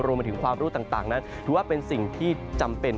มาถึงความรู้ต่างนั้นถือว่าเป็นสิ่งที่จำเป็น